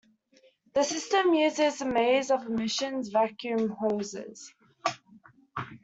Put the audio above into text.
The system uses a maze of emissions vacuum hoses.